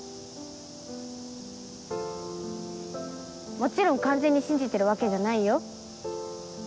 もちろん完全に信じてるわけじゃないよ？